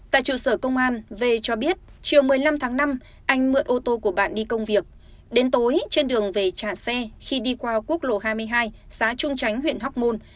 tại trụ sở công an v cho biết chiều một mươi năm tháng năm anh mượn ô tô của bạn đi công việc đến tối trên đường về trả xe khi đi qua quốc lộ hai mươi hai xã trung chánh huyện hóc môn